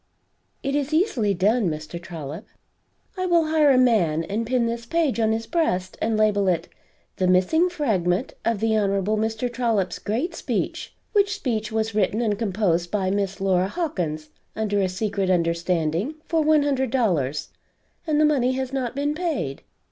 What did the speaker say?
"It is easily done, Mr. Trollop. I will hire a man, and pin this page on his breast, and label it, 'The Missing Fragment of the Hon. Mr. Trollop's Great Speech which speech was written and composed by Miss Laura Hawkins under a secret understanding for one hundred dollars and the money has not been paid.'